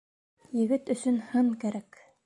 Егет өсөн һын кәрәк.